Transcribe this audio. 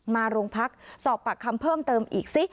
มาโรงพักสอบปากคำเพิ่มเติมอีกซิ